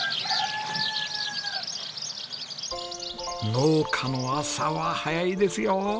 農家の朝は早いですよ！